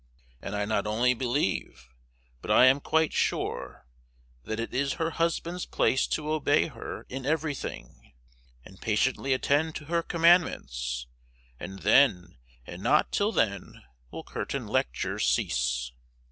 and I not only believe, but I am quite sure, that it is her husband's place to obey her in everything, and patiently attend to her commandments, and then, and not till then, will curtain lectures cease.